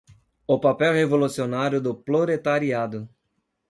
o papel revolucionário do proletariado